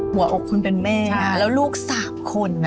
หัวอกคุณเป็นแม่นะแล้วลูกสามคนน่ะ